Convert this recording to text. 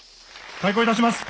開校いたします。